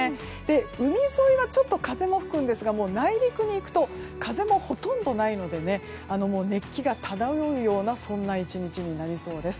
海沿いはちょっと風も吹くんですが内陸にいくと風もほとんどないので熱気が漂うような１日になりそうです。